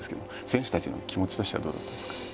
選手たちの気持ちとしてはどうだったんですか？